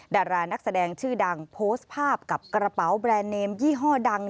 ดารานักแสดงชื่อดังโพสต์ภาพกับกระเป๋าแบรนด์เนมยี่ห้อดัง